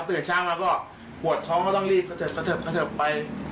ตื่นเช้ามาก็ปวดท้องก็ต้องรีบกระเถิบไป